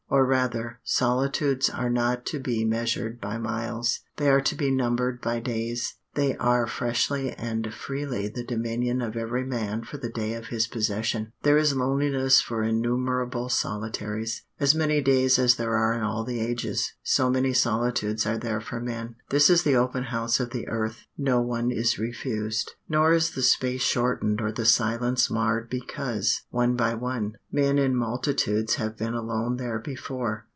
Or rather, solitudes are not to be measured by miles; they are to be numbered by days. They are freshly and freely the dominion of every man for the day of his possession. There is loneliness for innumerable solitaries. As many days as there are in all the ages, so many solitudes are there for men. This is the open house of the earth; no one is refused. Nor is the space shortened or the silence marred because, one by one, men in multitudes have been alone there before.